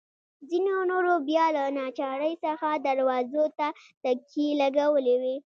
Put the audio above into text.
ځینو نورو بیا له ناچارۍ څخه دروازو ته تکیې لګولي وې.